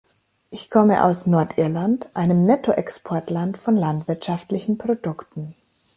Ich komme aus Nordirland, einem Netto-Exportland von landwirtschaftlichen Produkten.